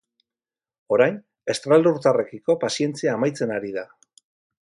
Orain estralurtarrekiko pazientzia amaitzen ari da.